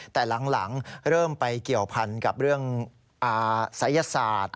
แต่หลังเริ่มไปเกี่ยวพันกับเรื่องศัยศาสตร์